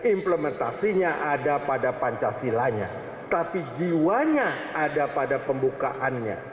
implementasinya ada pada pancasilanya tapi jiwanya ada pada pembukaannya